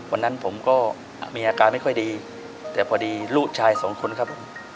วันนั้นผมก็มีอาการไม่ค่อยดีแต่พอดีลูกชายสองคนครับผม